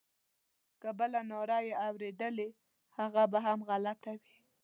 که بله ناره یې اورېدلې هغه به هم غلطه وي.